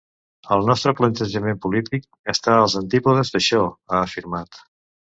El nostre plantejament polític està als antípodes d’això, ha afirmat.